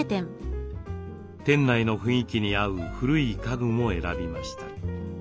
店内の雰囲気に合う古い家具も選びました。